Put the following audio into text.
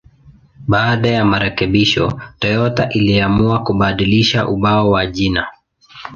Baada ya marekebisho, Toyota iliamua kubadilisha ubao wa jina.